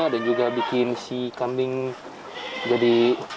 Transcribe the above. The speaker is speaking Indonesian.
dan juga bikin si kambing jadi